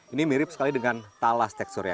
ini mirip sekali dengan talas teksturnya